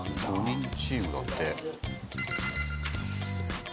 ５人チームだって。